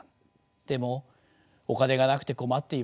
でもお金がなくて困っていました。